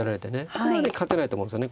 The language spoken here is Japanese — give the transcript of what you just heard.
これはね勝てないと思うんですよね